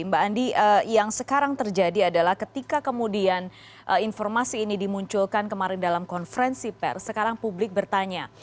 mbak andi yang sekarang terjadi adalah ketika kemudian informasi ini dimunculkan kemarin dalam konferensi pers sekarang publik bertanya